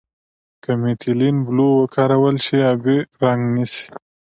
که میتیلین بلو وکارول شي آبي رنګ نیسي.